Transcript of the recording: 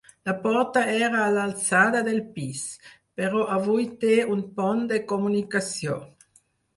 La porta era a l'alçada del pis, però avui té un pont de comunicació.